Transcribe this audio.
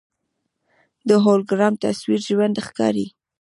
د هولوګرام تصویر ژوندی ښکاري.